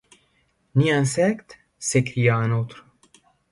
Ni insectes? s’écria un autre.